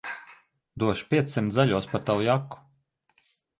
Došu piecsimt zaļos par tavu jaku.